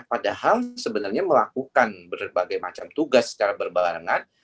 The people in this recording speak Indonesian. padahal sebenarnya melakukan berbagai macam tugas secara berbarengan